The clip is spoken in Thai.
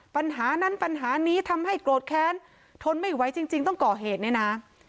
ปัญหานั้นปัญหานี้ทำให้โกรธแค้นทนไม่ไหวจริงต้องก่อเหตุเนี่ยนะ